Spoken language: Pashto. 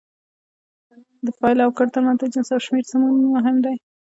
د فاعل او کړ ترمنځ د جنس او شمېر سمون مهم دی.